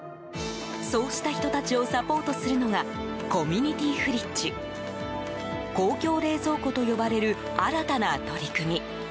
そうした人たちをサポートするのがコミュニティフリッジ公共冷蔵庫と呼ばれる新たな取り組み。